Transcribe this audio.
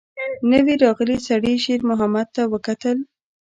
نوي راغلي سړي شېرمحمد ته وکتل.